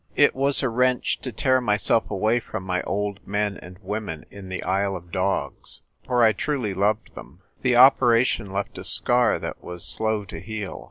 It was a wrench to tear myself away from my old men and women in the Isle of Dogs, for I truly loved them. The operation left a scar that was slow to heal.